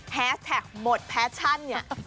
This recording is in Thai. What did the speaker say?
แท็กหมดแฟชั่นเนี่ย